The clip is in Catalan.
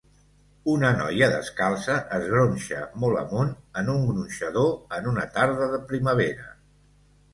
Una noia descalça es gronxa molt amunt en un gronxador en una tarda de primavera.